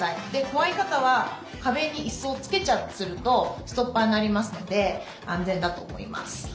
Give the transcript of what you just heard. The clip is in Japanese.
怖い方は壁にいすをつけちゃってするとストッパーになりますので安全だと思います。